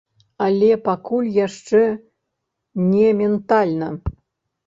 Але пакуль яшчэ не ментальна.